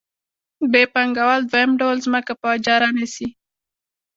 ب پانګوال دویم ډول ځمکه په اجاره نیسي